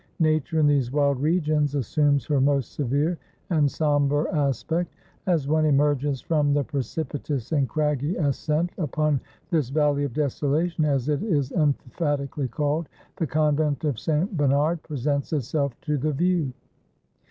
Nature in these wild regions assumes her most severe and somber aspect. As one emerges from the precipitous and craggy ascent upon this Valley of Desolation, as it is emphatically called, the Convent of St. Bernard presents itself to the view.